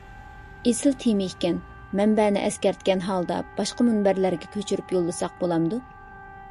ئېسىل تېما ئىكەن. مەنبەنى ئەسكەرتكەن ھالدا باشقا مۇنبەرلەرگە كۆچۈرۈپ يوللىساق بولامدۇ؟